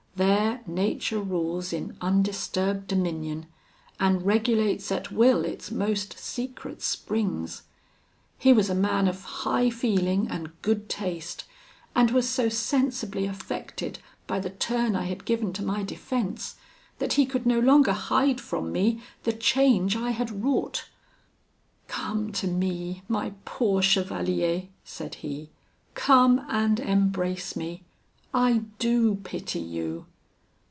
There nature rules in undisturbed dominion, and regulates at will its most secret springs. He was a man of high feeling and good taste, and was so sensibly affected by the turn I had given to my defence, that he could no longer hide from me the change I had wrought. "'Come to me, my poor chevalier,' said he; 'come and embrace me. I do pity you!'